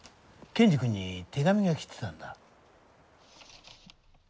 ケンジ君に手紙が来てたんだ。